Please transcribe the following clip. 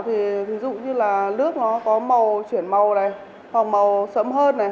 thì ví dụ như là nước nó có màu chuyển màu này màu sẫm hơn này